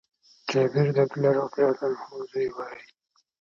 جابر د عبدالله رضي الله عنه زوی وايي :